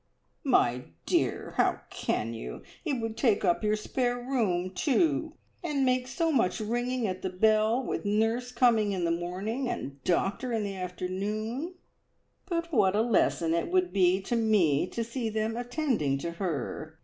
"My dear how can you! It would take up your spare room, too, and make so much ringing at the bell with nurse coming in the morning and the doctor in the afternoon." "But what a lesson it would be to me to see them attending to her!